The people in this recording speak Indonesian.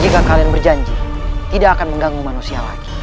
jika kalian berjanji tidak akan mengganggu manusia lagi